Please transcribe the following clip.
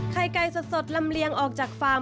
ไข่ไก่สดลำเลียงออกจากฟาร์ม